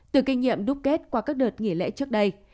từ kinh nghiệm đúc kết qua các đợt nghỉ lễ trước đây